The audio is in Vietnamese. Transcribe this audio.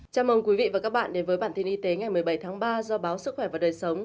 chào mừng quý vị và các bạn đến với bản tin y tế ngày một mươi bảy tháng ba do báo sức khỏe và đời sống